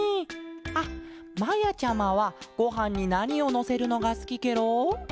あっまやちゃまはごはんになにをのせるのがすきケロ？